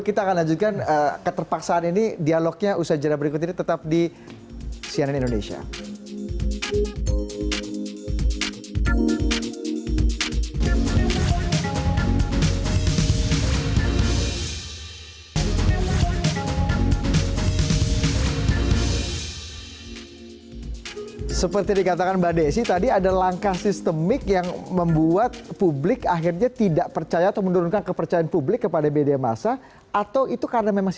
kita akan lanjutkan keterpaksaan ini dialognya usaha jalan berikut ini tetap di sianan indonesia